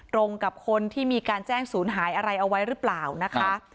ตรงกับคนที่มีการแจ้งศูนย์หายอะไรเอาไว้หรือเปล่านะคะ